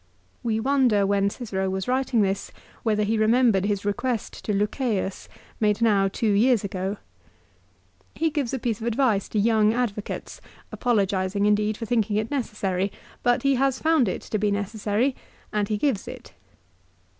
3 We wonder when Cicero was writing this whether he remembered his request to Lucceius made now two years ago. He gives a piece of advice to young advocates, apologising indeed for thinking it necessary ; but he has found it to be necessary, and he gives it.